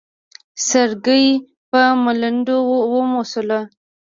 سرګي په ملنډو وموسل.